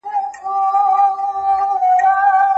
حکومتونه ولي د رایې ورکولو حق تضمینوي؟